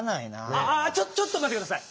ああちょっとまってください。